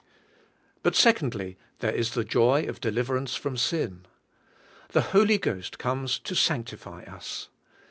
But secondly, there is the joy of deliverance from sin. The Holy Ghost comes to sanctify us.